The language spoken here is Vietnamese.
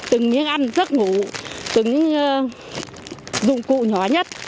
từng miếng ăn giấc ngủ từng dụng cụ nhỏ nhất